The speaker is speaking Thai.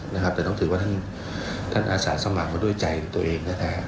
แต่ต้องถือว่าท่านอาศาสตร์สมัครมาด้วยใจตัวเอง